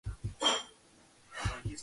ხელმძღვანელობდა სარედაქციო კოლეგია.